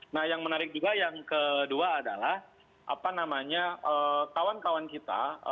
nah yang menarik juga yang kedua adalah apa namanya kawan kawan kita